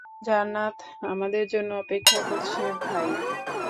জান্নাত আমাদের জন্য অপেক্ষা করছে, ভাই।